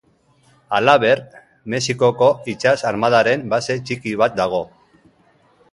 Halaber, Mexikoko itsas armadaren base txiki bat dago.